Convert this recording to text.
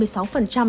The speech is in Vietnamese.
chỉ số cpi